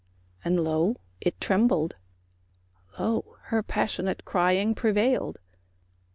And lo! it trembled, lo! her passionate Crying prevailed.